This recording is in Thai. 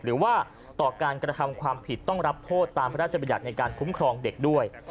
หรือว่าต่อการกระทำความผิดต้องรับโทษตามพระราชบัญญัติในการคุ้มครองเด็กด้วย